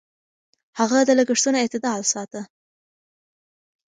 هغه د لګښتونو اعتدال ساته.